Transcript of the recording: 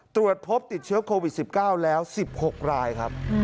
ตรวจพบติดเชื้อโควิด๑๙แล้ว๑๖รายครับ